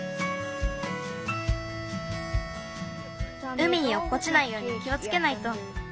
うみにおっこちないように気をつけないと。